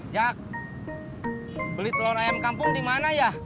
jak beli telur ayam kampung di mana ya